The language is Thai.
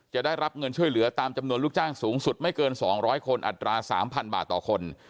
จะได้รับเงินช่วยเหลือตามจำนวนลูกจ้างสูงสุดไม่เกิน๒๐๐คนอัตรา๓๐๐บาทต่อคน